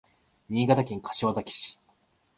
新潟県柏崎市